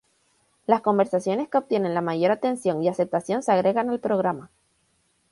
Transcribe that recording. Las conversaciones que obtienen la mayor atención y aceptación se agregan al programa.